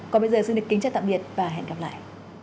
còn bây giờ xin được kính chào tạm biệt và hẹn gặp lại